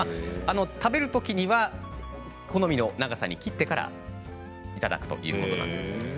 食べるときには好みの長さに切ってからいただくということなんです。